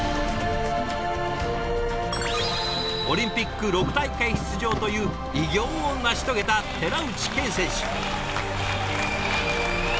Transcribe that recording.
オリンピック６大会出場という偉業を成し遂げた寺内健選手。